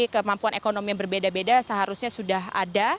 kemampuan ekonomi yang berbeda beda seharusnya sudah ada